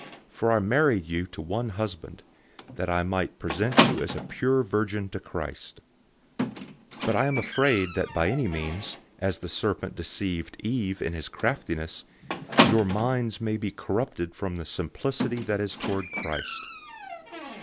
For I married you to one husband, that I might present you as a pure virgin to Christ. 011:003 But I am afraid that somehow, as the serpent deceived Eve in his craftiness, so your minds might be corrupted from the simplicity that is in Christ.